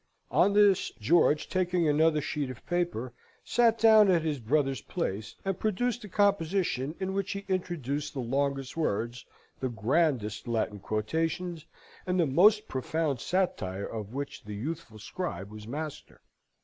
On this, George, taking another sheet of paper, sate down at his brother's place, and produced a composition in which he introduced the longest words, the grandest Latin quotations, and the most profound satire of which the youthful scribe was master.